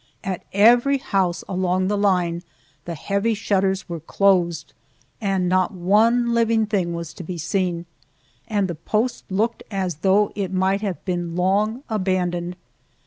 At every house along the line the heavy shutters were closed, and not one living thing was to be seen, and the post looked as though it might have been long abandoned.